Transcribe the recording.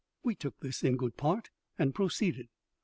We took this in good part, and proceeded.